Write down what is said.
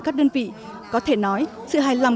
các đơn vị có thể nói sự hài lòng